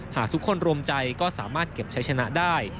หากทุกคนรวมใจก็สามารถเก็บใช้ชนะได้